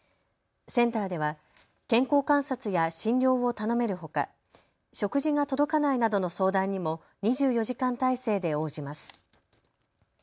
センターでは健康観察や診療を頼めるほか食事が届かないなどの相談にも２４時間体制で応じます。